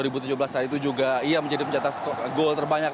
piala presiden dua ribu tujuh belas itu juga menjadi pencetak gol terbanyak